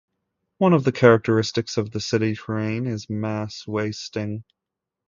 One of the characteristics of the city terrain is mass wasting.